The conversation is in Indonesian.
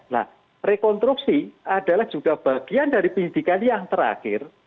nah rekonstruksi adalah juga bagian dari penyidikan yang terakhir